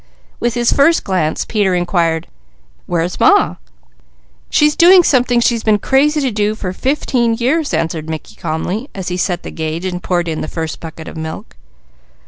With his first glance Peter inquired: "Where's Ma?" "She's doing something she's been crazy to for fifteen years," answered Mickey calmly, as he set the gauge and poured in the first bucket of milk.